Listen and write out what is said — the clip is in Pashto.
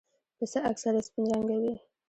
پسه اکثره سپین رنګه وي.